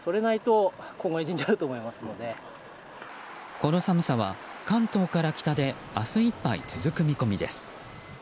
この寒さは関東から北で明日いっぱい続く見込みです。